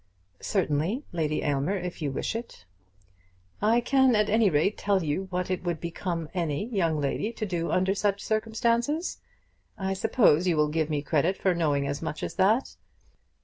"Certainly, Lady Aylmer; if you wish it." "I can at any rate tell you what it would become any young lady to do under such circumstances. I suppose you will give me credit for knowing as much as that.